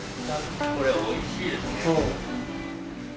これおいしいですね。